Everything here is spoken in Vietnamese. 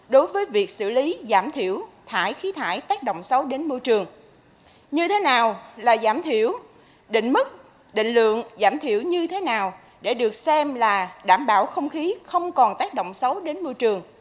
đối với việc xử lý giảm thiểu thải khí thải tác động xấu đến môi trường như thế nào là giảm thiểu định mức định lượng giảm thiểu như thế nào để được xem là đảm bảo không khí không còn tác động xấu đến môi trường